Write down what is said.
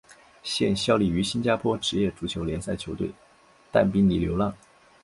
现效力于新加坡职业足球联赛球队淡滨尼流浪。